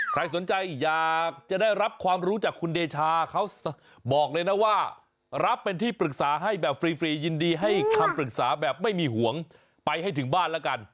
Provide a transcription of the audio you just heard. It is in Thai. ใครสนใจอยากจะได้รับความรู้จากคุณเดชาเขาบอกเลยนะว่ารับเป็นที่ปรึกษาให้แบบฟรียินดีให้คำปรึกษาแบบไม่มีห่วงไปให้ถึงบ้านแล้วกัน